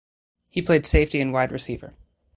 He played safety and wide receiver.